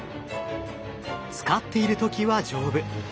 使っている時は丈夫。